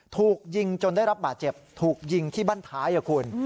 ถูกยิงจนได้รับบาดเจ็บถูกยิงที่บ้านท้ายคุณ